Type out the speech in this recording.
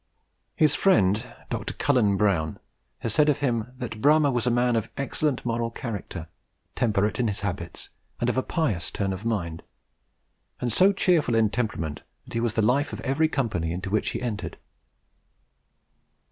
His friend, Dr. Cullen Brown, has said of him, that Bramah was a man of excellent moral character, temperate in his habits, of a pious turn of mind, and so cheerful in temperament, that he was the life of every company into which he entered.